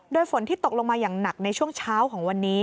โดยฝนที่ตกลงมาอย่างหนักในช่วงเช้าของวันนี้